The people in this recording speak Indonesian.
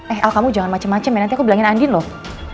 eh al kamu jangan macem macem ya nanti aku bilangin andin loh